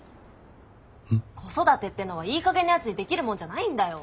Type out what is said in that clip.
子育てってのはいい加減なやつにできるもんじゃないんだよ。